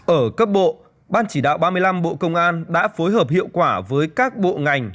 ở cấp bộ ban chỉ đạo ba mươi năm bộ công an đã phối hợp hiệu quả với các bộ ngành